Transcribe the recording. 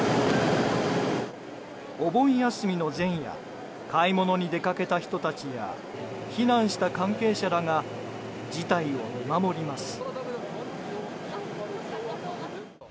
お盆休みの前夜買い物に出かけた人たちや避難した関係者らが事態を見守ります。